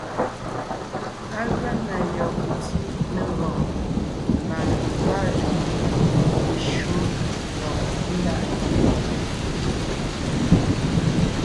Á gʉa na yɔb ntí legɔɔn, mbà áa jʉʼɔɔn, meshÿó lɔg ńdaʼte.